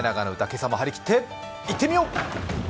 今朝も張り切っていってみよう。